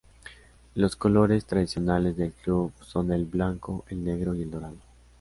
Los colores tradicionales del club son el blanco, el negro y el dorado.